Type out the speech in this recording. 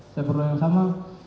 saya perlu yang sama